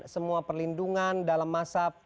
semua perlindungan dalam masa